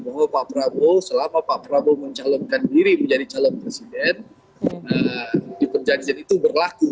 bahwa pak prabowo selama pak prabowo mencalonkan diri menjadi calon presiden di perjanjian itu berlaku